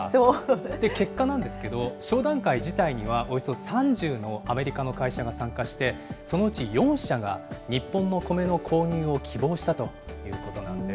結果なんですけど、商談会自体にはおよそ３０のアメリカの会社が参加して、そのうち４社が日本のコメの購入を希望したということなんです。